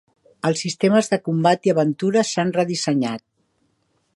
Els sistemes de combat i aventura s'han redissenyat.